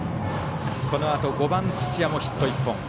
このあと５番、土谷もヒット１本。